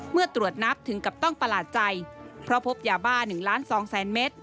เมื่อตรวจนับถึงกับต้องประหลาดใจเพราะพบยาบ้า๑ล้าน๒แสนเมตร